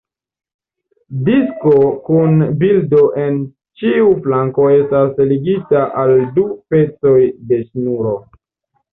Disko kun bildo en ĉiu flanko estas ligita al du pecoj de ŝnuro.